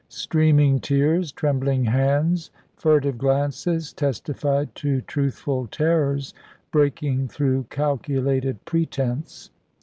Streaming tears, trembling hands, furtive glances, testified to truthful terrors, breaking through calculated pretence.